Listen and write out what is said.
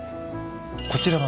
こちらは？